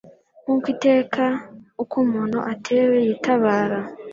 Nk'uko iteka uko umuntu atewe yitabara